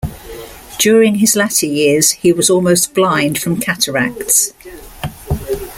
During his latter years he was almost blind from cataracts.